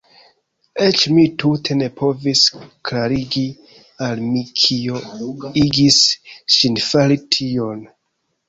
Eĉ mi tute ne povis klarigi al mi kio igis ŝin fari tion.